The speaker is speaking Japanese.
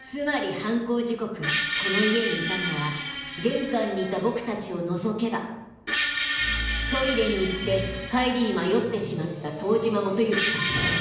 つまり犯行時刻この家にいたのは玄関にいた僕たちを除けばトイレに行って帰りに迷ってしまった遠島基行さん